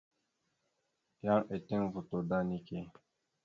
Yan eteŋ voto da neke.